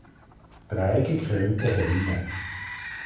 Drei gekrönte Helme.